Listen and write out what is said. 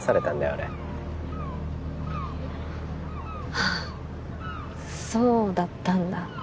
あれああそうだったんだ